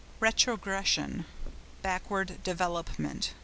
RETROGRESSION.—Backward development.